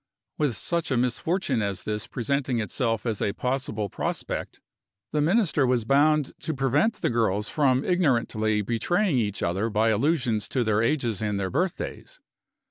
With such a misfortune as this presenting itself as a possible prospect, the Minister was bound to prevent the girls from ignorantly betraying each other by allusions to their ages and their birthdays.